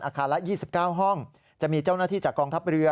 อาคารละ๒๙ห้องจะมีเจ้าหน้าที่จากกองทัพเรือ